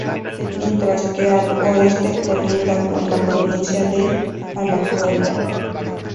Mientras que al oeste colinda con la provincia de Alajuela.